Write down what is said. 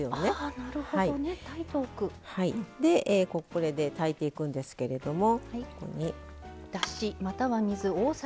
これで炊いていくんですけれども。